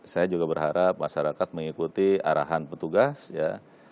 saya juga berharap masyarakat mengikuti arahan petugas ya